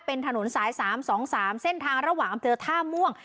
เป็นถนนสายสามสองสามเส้นทางระหว่างอำเตอร์ท่าม่วง